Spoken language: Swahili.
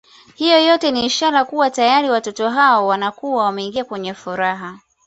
Hiyo yote ni ishara kuwa tayari watoto hao wanakuwa wameingia kwenye furaha